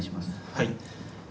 はい。